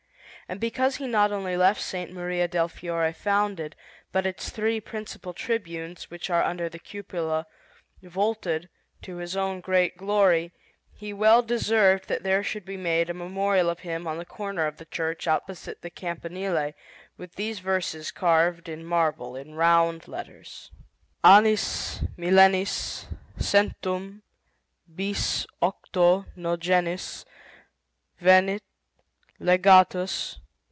And because he not only left S. Maria del Fiore founded, but its three principal tribunes, which are under the cupola, vaulted, to his own great glory, he well deserved that there should be made a memorial of him on the corner of the church opposite the Campanile, with these verses carved in marble in round letters: ANNIS . MILLENIS . CENTUM . BIS . OCTO . NOGENIS . VENIT . LEGATUS